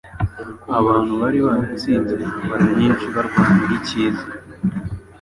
Abantu bari baratsinze intambara nyinshi barwanira icyiza,